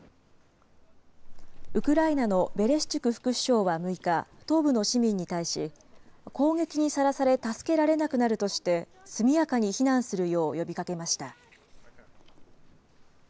ウクライナのベレシチュク副首相は６日、東部の市民に対し、攻撃にさらされ助けられなくなるとして速やかに避難するよう呼びかけました。